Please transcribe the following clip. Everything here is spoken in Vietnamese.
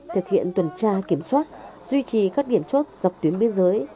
thực hiện tuần tra kiểm soát duy trì các kiểm soát dọc tuyến biên giới